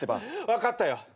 分かったよ。